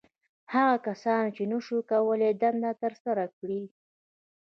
• هغه کسانو، چې نهشوی کولای دنده تر سره کړي.